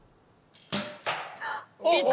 あっ！